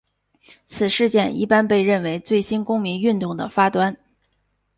此事件一般被认为是新公民运动的发端。